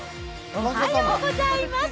おはようございます。